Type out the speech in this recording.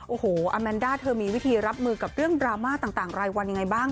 โอ้โหอาแมนด้าเธอมีวิธีรับมือกับเรื่องดราม่าต่างรายวันยังไงบ้าง